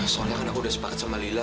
soalnya kan aku sudah sepakat sama lila